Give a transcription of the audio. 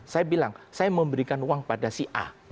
saya bilang saya memberikan uang pada si a